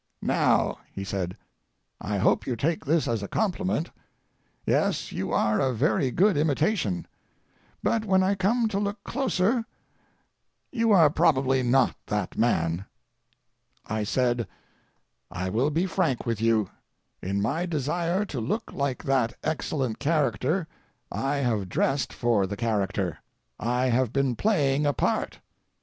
Now," he said, "I hope you take this as a compliment. Yes, you are a very good imitation; but when I come to look closer, you are probably not that man." I said: "I will be frank with you. In my desire to look like that excellent character I have dressed for the character; I have been playing a part."